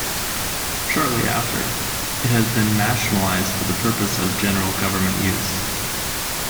Shortly after, it has been "nationalized" for the purpose of general government use.